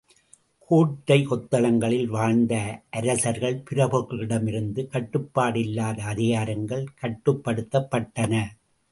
கோட்டை, கொத்தளங்களில் வாழ்ந்த அரசர்கள் பிரபுக்களிடமிருந்த கட்டுப்பாடில்லாத அதிகாரங்கள் கட்டுப்படுத்தப்பட்டன.